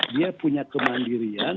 dia punya kemandirian